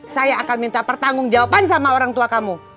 saya akan minta pertanggung jawaban sama orang tua kamu